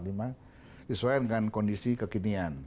disesuaikan dengan kondisi kekinian